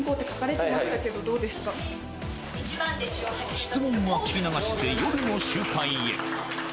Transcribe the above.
質問は聞き流して夜の集会へ。